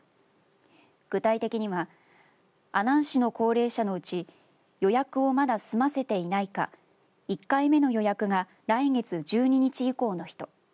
具体的には阿南市の高齢者のうち予約をまだ済ませていないか１回目の予約が来月１２日以降の人